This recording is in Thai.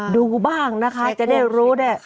ดูบ้างนะคะจะได้รู้เนี่ย